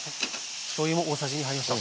しょうゆも大さじ２入りました。